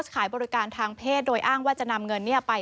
ขายบริการทางเพศโดยอ้างว่าจะนำเงินไป